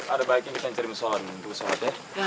ada baiknya kita cari masalah untuk sholat ya